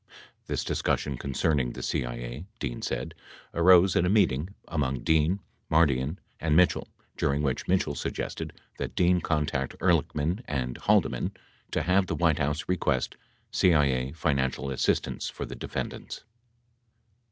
57 This discussion con cerning the CIA, Dean said, arose at a meeting among Dean, Mardian and Mitchell during which Mitchell suggested that Dean contact Ehrlichman and Ilaldeman to have the White House request CIA financial assistance for the defendants.